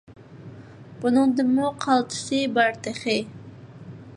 بۇنىڭدىنمۇ قالتىسى بار تېخى!